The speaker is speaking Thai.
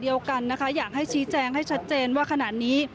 อยากให้ชี้แจงให้ชัดเจนว่าขณะนี้